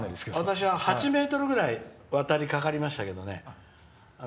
私は８ｍぐらい渡りかけましたけどね